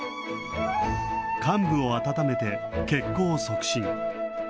患部を温めて血行を促進。